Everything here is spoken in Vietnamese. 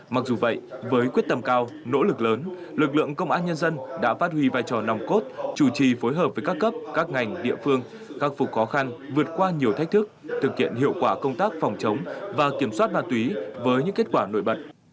mặc dù vậy với quyết tâm cao nỗ lực lớn lực lượng công an nhân dân đã phát huy vai trò nòng cốt chủ trì phối hợp với các cấp các ngành địa phương khắc phục khó khăn vượt qua nhiều thách thức thực hiện hiệu quả công tác phòng chống và kiểm soát ma túy với những kết quả nổi bật